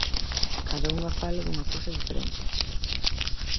Cada unha fala dunha cousa diferente.